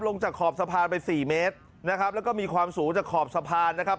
ลงจากขอบสะพานไปสี่เมตรนะครับแล้วก็มีความสูงจากขอบสะพานนะครับ